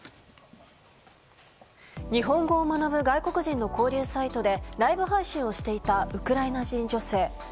日本語を学ぶ外国人の交流サイトでライブ配信をしていたウクライナ人女性。